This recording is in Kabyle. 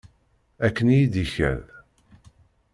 Akken i yi-d-ikad.